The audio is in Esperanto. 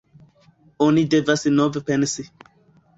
Oni devas nove pensi.